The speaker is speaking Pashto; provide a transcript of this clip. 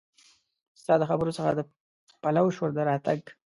ستا د خبرو څخه د پلوشو د راتګ